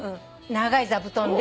長い座布団で。